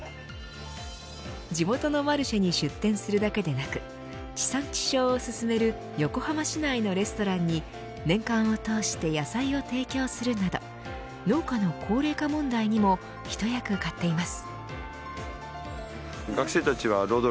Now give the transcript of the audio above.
地元のマルシェに出店するだけでなく地産地消を進める横浜市内のレストランに年間を通して野菜を提供するなど農家の高齢化問題にも一役買っています。